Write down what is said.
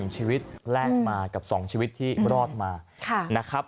ชีวิตแลกมากับ๒ชีวิตที่รอดมานะครับ